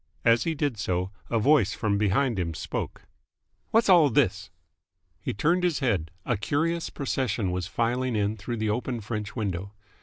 As he did so, a voice from behind him spoke. "Whassall this?" He turned his head. A curious procession was filing in through the open French window.